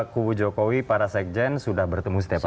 kubu jokowi para sekjen sudah bertemu setiap hari